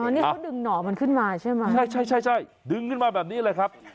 นี่เขาดึงหน่อมันขึ้นมาใช่ไหมใช่ใช่ดึงขึ้นมาแบบนี้เลยครับ